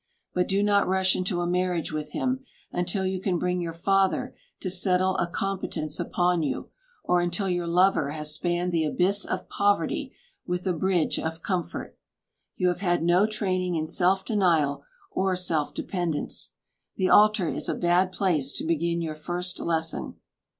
But do not rush into a marriage with him until you can bring your father to settle a competence upon you, or until your lover has spanned the abyss of poverty with a bridge of comfort. You have had no training in self denial or self dependence. The altar is a bad place to begin your first lesson.